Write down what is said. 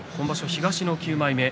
東の９枚目。